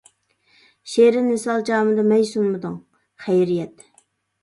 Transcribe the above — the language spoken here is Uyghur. شېرىن ۋىسال جامىدا مەي سۇنمىدىڭ، خەيرىيەت!